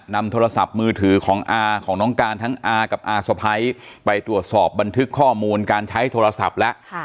นำโทรศัพท์มือถือของอาของน้องการทั้งอากับอาสะพ้ายไปตรวจสอบบันทึกข้อมูลการใช้โทรศัพท์แล้ว